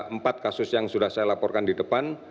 empat kasus yang sudah saya laporkan di depan